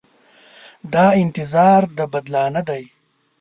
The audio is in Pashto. دا انتظار د بدلانه دی.